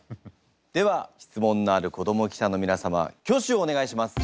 では質問のある子ども記者の皆様挙手をお願いします。